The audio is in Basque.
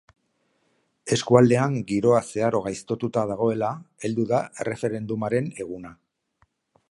Eskualdean giroa zeharo gaiztotuta dagoela heldu da erreferendumaren eguna.